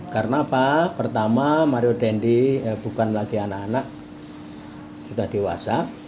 karena pertama mario dandi bukan lagi anak anak sudah dewasa